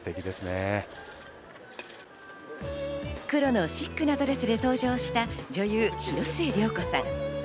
黒のシックなドレスで登場した女優・広末涼子さん。